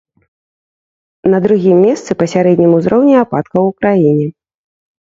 На другім месцы па сярэднім узроўні ападкаў у краіне.